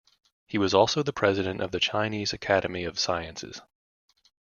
He was also the President of the Chinese Academy of Sciences.